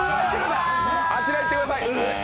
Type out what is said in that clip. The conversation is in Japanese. あちらへ行ってください！